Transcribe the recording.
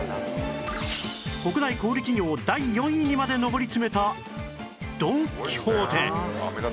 国内小売企業第４位にまで上り詰めたドン・キホーテ